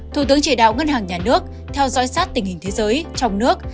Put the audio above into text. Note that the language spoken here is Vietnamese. thủ tướng chỉ đạo ngân hàng nhà nước theo dõi sát tình hình thế giới trong nước